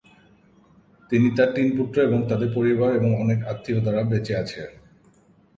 তিনি তার তিন পুত্র এবং তাদের পরিবার এবং অনেক আত্মীয় দ্বারা বেঁচে আছে।